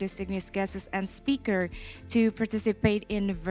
silakan sertai sesi ini